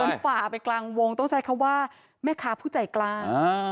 มันฝ่าไปกลางวงต้องใช้คำว่าแม่ค้าผู้ใจกล้า